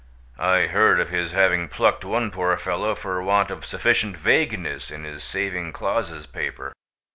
I heard of his having plucked one poor fellow for want of sufficient vagueness in his saving clauses paper.